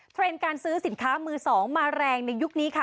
เทรนด์การซื้อสินค้ามือสองมาแรงในยุคนี้ค่ะ